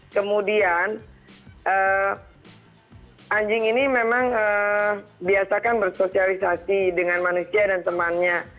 kemudian anjing ini memang biasakan bersosialisasi dengan manusia dan temannya